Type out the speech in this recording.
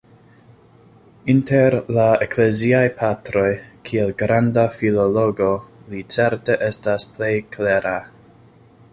Inter la Ekleziaj Patroj, kiel granda filologo, li certe estas la plej klera.